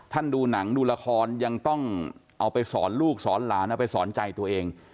ดูหนังดูละครยังต้องเอาไปสอนลูกสอนหลานเอาไปสอนใจตัวเอง